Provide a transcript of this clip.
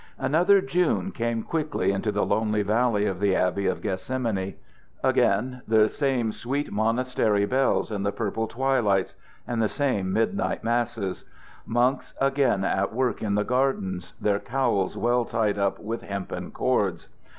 Another June came quickly into the lonely valley of the Abbey of Gethsemane. Again the same sweet monastery bells in the purple twilights, and the same midnight masses. Monks again at work in the gardens, their cowls well tied up with hempen cords.